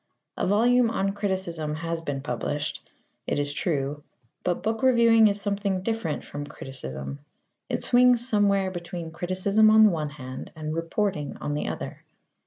A volume on criticism has been published, it is true, but book reviewing is something different from criticism. It swings somewhere between criticism on the one hand and reporting on the other.